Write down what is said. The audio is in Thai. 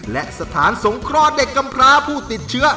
และสถานสงเคราะห์เด็กกำพร้าผู้ติดเชื้อ